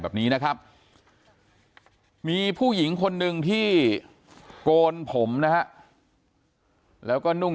แบบนี้นะครับมีผู้หญิงคนหนึ่งที่โกนผมนะฮะแล้วก็นุ่ง